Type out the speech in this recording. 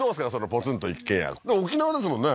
ポツンと一軒家沖縄ですもんね